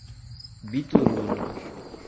Bituruna